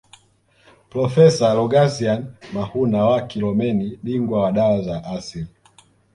Profesa Rogasian Mahuna wa Kilomeni bingwa wa dawa za asili